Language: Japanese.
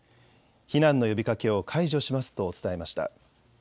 避難の呼びかけを解除しますと伝えました。